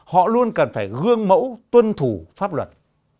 họ luôn cần phải gương mẫu tuân thủ pháp luật